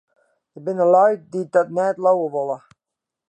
Der binne lju dy't dat net leauwe wolle.